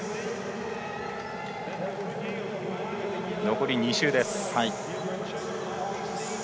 残り２周です。